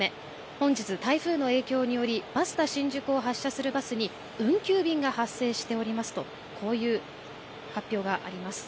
本日、台風の影響によりバスタ新宿を発車するバスに運休便が発生しておりますと、こういう発表があります。